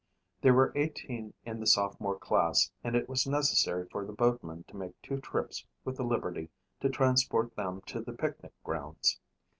There were 18 in the sophomore class and it was necessary for the boatman to make two trips with the Liberty to transport them to the picnic grounds.